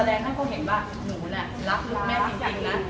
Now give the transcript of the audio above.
แสดงให้เขาเห็นว่าหนูน่ะรักลูกแม่จริงนะ